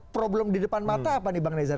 problem di depan mata apa nih bang nezar